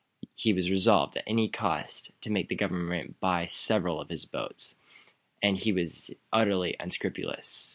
He was resolved, at any cost, to make the government buy several of his boats. And he was utterly unscrupulous.